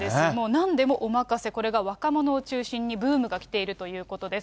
なんでもおまかせ、これが若者を中心にブームが来ているということです。